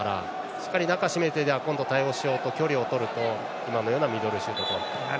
しっかり中を締めて今度、対応しようと距離をとると今のようなミドルシュートと。